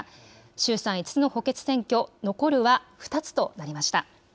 衆参５つの補欠選挙残るは２つとなりました。